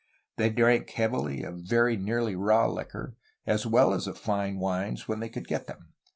They drank heavily of very nearly raw liquor, as well as of fine wines when they could get them.